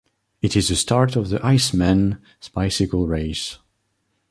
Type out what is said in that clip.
It is the start of the Iceman bicycle race.